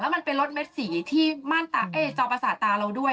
แล้วมันไปลดเม็ดสีที่จอประสาทตาเราด้วย